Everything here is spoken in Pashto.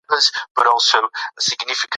د لاس صنايعو ارزښت يې لوړ کړ.